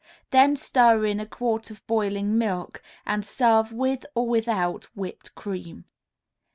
Then stir in a quart of boiling milk, and serve with or without whipped cream.